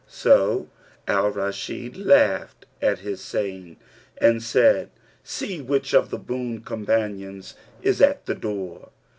So Al Rashid laughed at his saying and said, "See which of the boon companions is at the door."